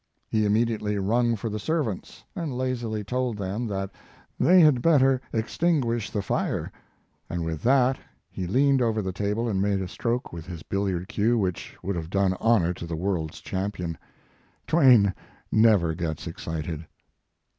He immediately rung for the servants, and lazily told them that they had better extinguish the fire, and with that he leaned over the table and made a stroke His Life and Work. 171 with his billiard cue which would have done honor to the world s champion. Twain never gets excited."